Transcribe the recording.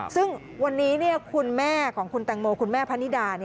ซึ่งวันนี้คุณแม่ของคุณแตงโมคุณแม่พะนิดา